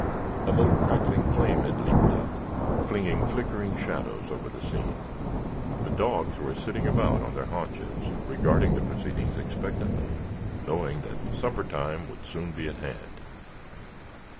A little crackling flame had leaped up flinging flickering shadows over the scene. The dogs were sitting about on their haunches regarding the proceedings expectantly, knowing that supper time would soon be at hand.